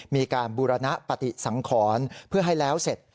มีการบูรณปฏิสังขรเพื่อให้แล้วเสร็จ